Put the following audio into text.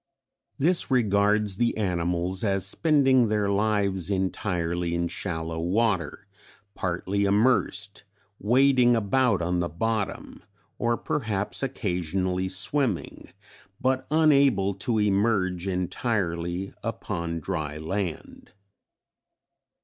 This regards the animals as spending their lives entirely in shallow water, partly immersed, wading about on the bottom, or perhaps occasionally swimming, but unable to emerge entirely upon dry land.